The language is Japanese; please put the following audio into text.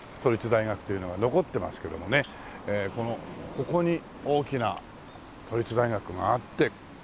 ここに大きな都立大学があって。